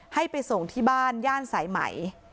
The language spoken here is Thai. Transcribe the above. ให้ไปส่งที่บ้านย่านสายไหม